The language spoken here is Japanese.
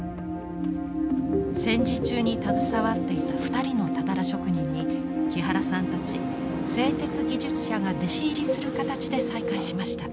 戦時中に携わっていた２人のたたら職人に木原さんたち製鉄技術者が弟子入りする形で再開しました。